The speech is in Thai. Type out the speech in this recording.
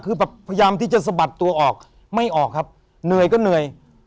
คือแบบพยายามที่จะสะบัดตัวออกไม่ออกครับเหนื่อยก็เหนื่อย